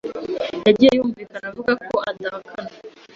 yagiye yumvikana avuga ko adahakana